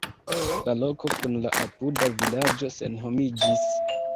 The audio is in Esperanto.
La loko kun la apuda vilaĝo senhomiĝis.